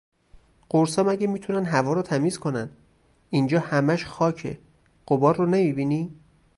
قُرصا مگه میتونن هوا رو تمیز کنن؟ اینجا هَمَش خاکه، غبار رو نمیبینی؟